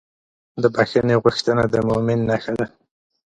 د بښنې غوښتنه د مؤمن نښه ده.